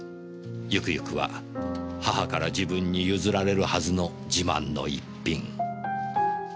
ゆくゆくは母から自分に譲られるはずの自慢の一品。